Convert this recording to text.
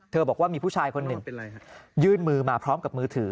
บอกว่ามีผู้ชายคนหนึ่งยื่นมือมาพร้อมกับมือถือ